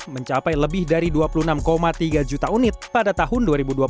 mencapai lebih dari dua puluh enam tiga juta unit pada tahun dua ribu dua puluh satu